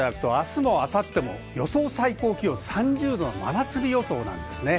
これ見ていただくと、あすも、あさっても予想最高気温３０℃の真夏日予想なんですね。